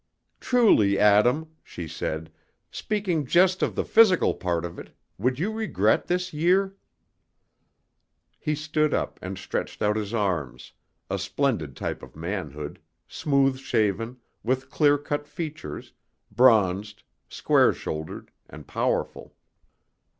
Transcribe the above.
"Truly, Adam," she said, "speaking just of the physical part of it, would you regret this year?" He stood up and stretched out his arms, a splendid type of manhood, smooth shaven, with clear cut features, bronzed, square shouldered, and powerful.